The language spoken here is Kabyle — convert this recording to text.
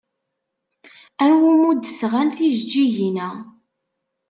Anwa umi d-sɣan tijeǧǧigin-a?